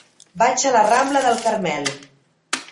Vaig a la rambla del Carmel.